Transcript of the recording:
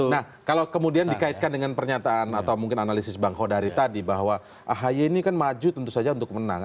nah kalau kemudian dikaitkan dengan pernyataan atau mungkin analisis bang kodari tadi bahwa ahy ini kan maju tentu saja untuk menang